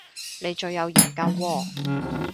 你最有研究喎